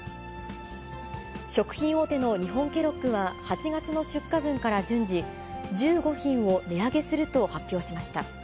食品大手の日本ケロッグは８月の出荷分から、１５品を値上げすると発表しました。